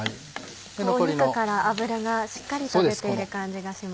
肉から脂がしっかりと出ている感じがします。